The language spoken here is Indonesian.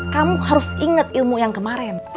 kamu harus ingat ilmu yang kemarin